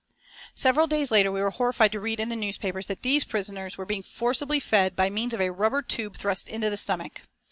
Several days later we were horrified to read in the newspapers that these prisoners were being forcibly fed by means of a rubber tube thrust into the stomach.